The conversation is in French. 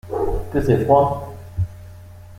Que c’est froid !